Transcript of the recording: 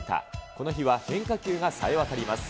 この日は変化球がさえわたります。